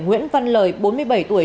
nguyễn văn lời bốn mươi bảy tuổi